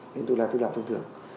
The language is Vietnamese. nên thuốc lá thuốc lá thông thường